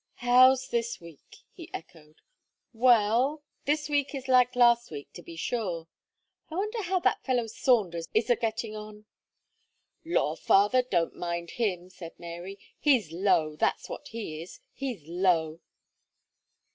"How's this week," he echoed; "well, this week is like last week to be sure. I wonder how that fellow Saunders is a getting on." "Law! father, don't mind him," said Mary. "He's low, that's what he is he's low."